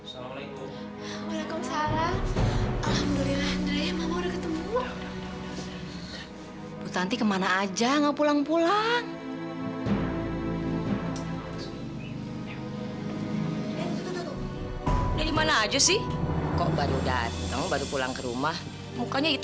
siapa yang berani bisa lihat